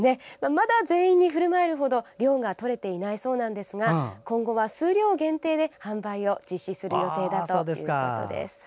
まだ全員にふるまえる程量が取れていないそうですが今後は数量限定で販売を実施する予定だということです。